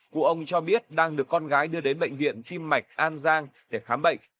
cụ ông cho biết đang được con gái đưa đến bệnh viện tim mạch an giang để khám bệnh